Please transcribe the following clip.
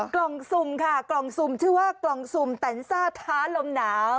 กล่องสุ่มค่ะกล่องสุ่มชื่อว่ากล่องสุ่มแตนซ่าท้าลมหนาว